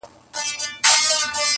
خلک زده کوي چي خبري لږې او فکر ډېر کړي,